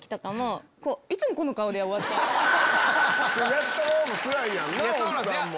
やった側もつらいやんな奥さんも。